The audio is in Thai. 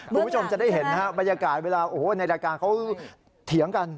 คุณผู้ชมจะได้เห็นนะฮะบรรยากาศเวลาโอ้โหในรายการเขาเถียงกัน